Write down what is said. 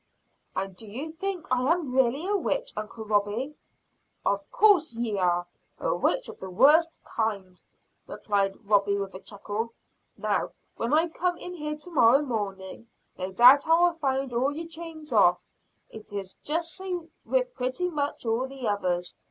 "And do you think I really am a witch, uncle Robie?" "Of course ye are. A witch of the worst kind," replied Robie, with a chuckle. "Now, when I come in here tomorrow morning nae doobt I will find all your chains off. It is just sae with pretty much all the others.